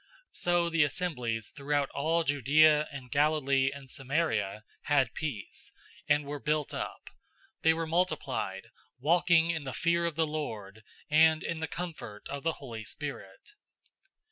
009:031 So the assemblies throughout all Judea and Galilee and Samaria had peace, and were built up. They were multiplied, walking in the fear of the Lord and in the comfort of the Holy Spirit.